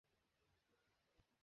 টাকা না থাকলে গিলবে কী।